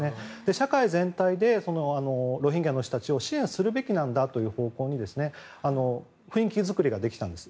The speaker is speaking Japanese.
社会全体でロヒンギャの人たちを支援するべきなんだという方向に雰囲気作りができたんです。